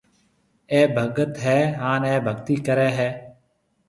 اَي ڀگت هيَ هانَ اَي ڀگتِي ڪريَ هيَ۔